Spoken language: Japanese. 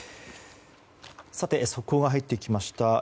速報が入ってきました。